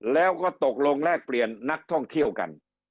แล้วก็ตกลงแลกเปลี่ยนนักท่องเที่ยวกัน